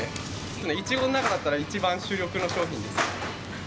イチゴの中だったら一番主力の商品です。